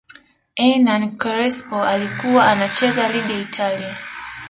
ernan Crespo alikuwa anacheza ligi ya Italia